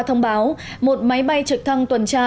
thông báo một máy bay trực thăng tuần tra